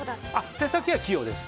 手先は器用です。